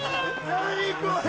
何これ！